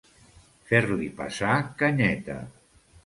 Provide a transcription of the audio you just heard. Fer-li passar canyeta.